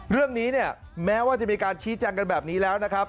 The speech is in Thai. เรื่องนี้เนี่ยแม้ว่าจะมีการชี้แจงกันแบบนี้แล้วนะครับ